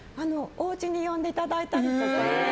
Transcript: おうちに呼んでいただいたりとか。